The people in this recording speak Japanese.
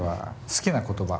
好きな言葉。